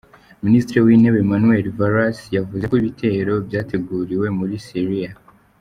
Minisitiri w’intebe Manuel Valls yavuze ko ibitero byateguriwe muri Siriya.